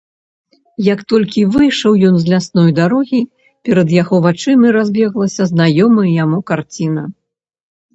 Як толькі выйшаў ён з лясной дарогі, перад яго вачыма разбеглася знаёмая яму карціна.